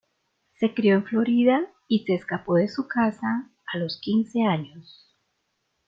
Se crió en Florida y se escapó de su casa a los quince años.